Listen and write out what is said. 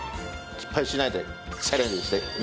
失敗しないでチャレンジしてみてください。